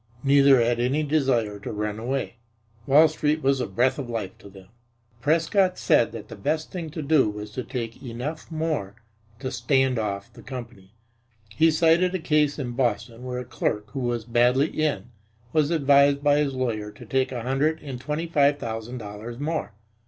Neither had any desire to run away. Wall Street was the breath of life to them. Prescott said that the best thing to do was to take enough more to "stand off" the company. He cited a case in Boston, where a clerk who was badly "in" was advised by his lawyer to take a hundred and twenty five thousand dollars more.